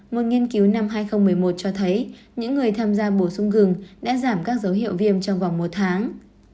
một nghiên cứu năm hai nghìn một mươi một cho thấy những người tham gia bổ sung gừng đã giảm các dấu hiệu viêm trong vòng một tháng